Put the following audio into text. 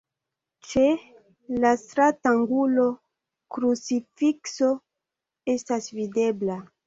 Ĉe la stratangulo krucifikso estas videbla.